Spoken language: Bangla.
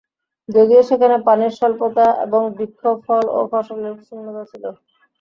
যদিও সেখানে পানির স্বল্পতা এবং বৃক্ষ, ফল ও ফসলের শূন্যতা ছিল।